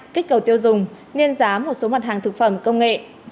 kích cầu tiêu dùng nên giá một số mặt hàng thực phẩm công nghệ